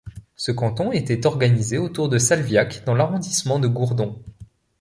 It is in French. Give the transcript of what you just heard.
Ce canton était organisé autour de Salviac dans l'arrondissement de Gourdon.